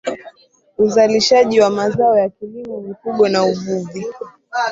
uzalishaji wa mazao ya kilimo mifugo na uvuvi